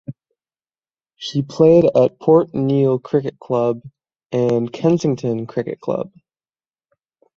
She played at Port Neill Cricket Club and Kensington Cricket Club.